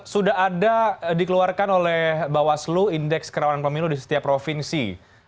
sudah ada dikeluarkan oleh bawaslu indeks kerawanan pemilu di setiap provinsi